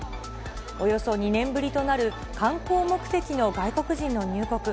およそ２年ぶりとなる、観光目的の外国人の入国。